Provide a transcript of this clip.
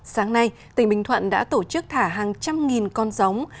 sáng nay tỉnh bình thuận đã tổ chức thả hàng trăm nghìn con giống